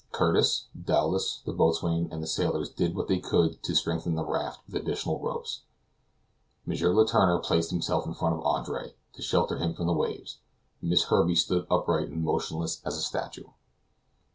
Curtis, Dowlas, the boatswain, and the sailors did what they could to strengthen the raft with additional ropes. M. Letourneur placed himself in front of Andre, to shelter him from the waves. Miss Herbey stood upright and motionless as a statue.